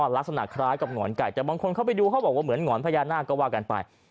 ลักษณะคล้ายกับหงอนไก่แต่บางคนเข้าไปดูเขาบอกว่าเหมือนหงอนพญานาคก็ว่ากันไป